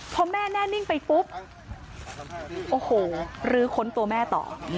พอแม่แน่นิ่งไปปุ๊บโอ้โหรื้อค้นตัวแม่ต่อ